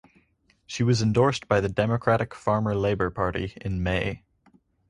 She was endorsed by the Democratic–Farmer–Labor Party in May.